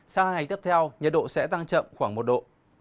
sau hai ngày tiếp theo nhiệt độ sẽ tăng chậm khoảng một độ